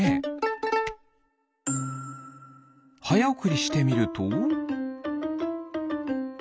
はやおくりしてみると。